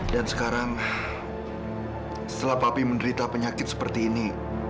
dan sekarang setelah papi menderita penyakit seperti ini